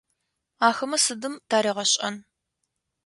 Ахэмэ сыдым таригъэшӏэн?